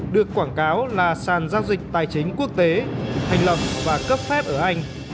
được quảng cáo là sàn giao dịch tài chính quốc tế thành lập và cấp phép ở anh